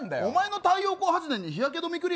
お前の太陽光発電に日焼け止め